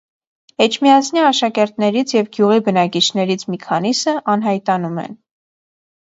Էջմիածնի աշակերտներից և գյուղի բնակիչներից մի քանիսը անհայտանում են։